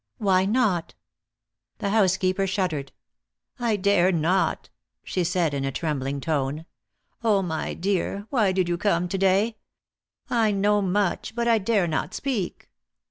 "Why not?" The housekeeper shuddered. "I dare not," she said in a trembling tone. "Oh, my dear, why did you come to day? I know much, but I dare not speak."